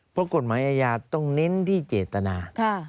เพราะกฎหมายอาญาต้องเน้นที่เจตนา